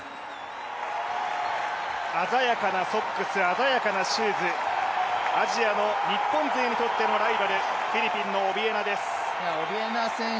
鮮やかなソックス、鮮やかなシューズ、アジアの日本勢にとってのライバル、フィリピンのオビエナです。